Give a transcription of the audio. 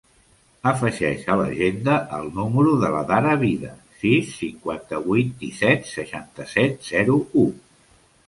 Afegeix a l'agenda el número de la Dara Vida: sis, cinquanta-vuit, disset, seixanta-set, zero, u.